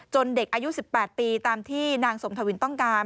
เด็กอายุ๑๘ปีตามที่นางสมทวินต้องการ